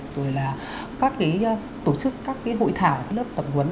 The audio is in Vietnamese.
rồi là các cái tổ chức các cái hội thảo các lớp tập huấn